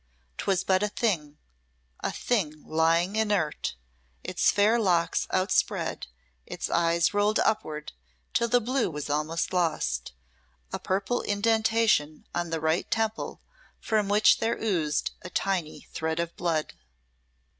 'Twas but a thing a thing lying inert, its fair locks outspread, its eyes rolled upward till the blue was almost lost; a purple indentation on the right temple from which there oozed a tiny thread of blood.